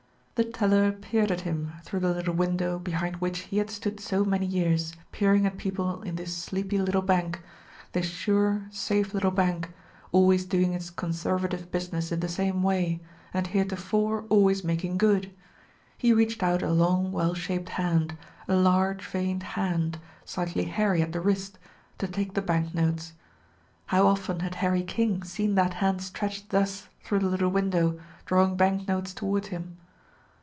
The teller peered at him through the little window behind which he had stood so many years peering at people in this sleepy little bank, this sure, safe, little bank, always doing its conservative business in the same way, and heretofore always making good. He reached out a long, well shaped hand, a large veined hand, slightly hairy at the wrist, to take the bank notes. How often had Harry King seen that hand stretched thus through the little window, drawing bank notes toward him!